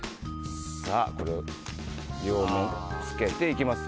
これを両面つけていきます。